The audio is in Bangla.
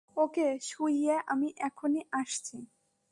ওকে শুইয়ে আমি এখনই আসছি।